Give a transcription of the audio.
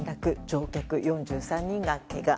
乗客４３人がけが。